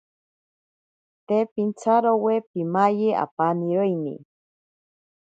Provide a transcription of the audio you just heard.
Te pintsarowe pimayi apaniroini.